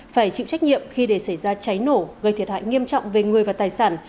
phải chịu trách nhiệm khi để xảy ra cháy nổ gây thiệt hại nghiêm trọng về người và tài sản